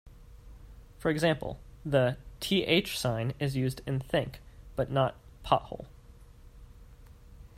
For example, the "th" sign is used in "think," but not "pothole.